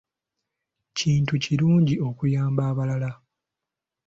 Kintu kirungi okuyamba abalala.